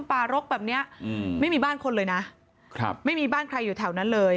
ป่ารกแบบเนี้ยอืมไม่มีบ้านคนเลยนะครับไม่มีบ้านใครอยู่แถวนั้นเลย